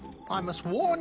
そうだね。